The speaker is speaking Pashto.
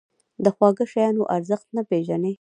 د خواږه شیانو ارزښت نه پېژني.